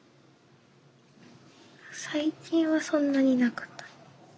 最近はそんなになかった。